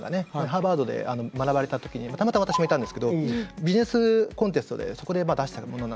ハーバードで学ばれた時にたまたま私もいたんですけどビジネスコンテストでそこで出したものなんですよね。